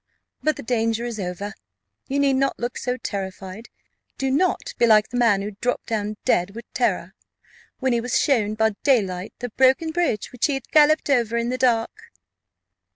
But the danger is over; you need not look so terrified: do not be like the man who dropped down dead with terror, when he was shown by daylight the broken bridge which he had galloped over in the dark."